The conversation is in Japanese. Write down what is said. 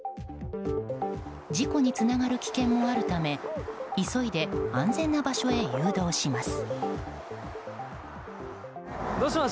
事故につながる危険もあるため急いで安全な場所へ誘導します。